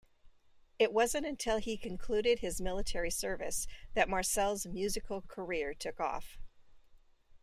It wasn't until he concluded his military service that Marcel's musical career took off.